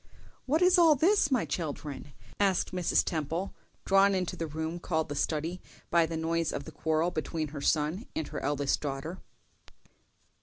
"What is all this, my children?" asked Mrs. Temple, drawn into the room called the study by the noise of the quarrel between her son and her eldest daughter.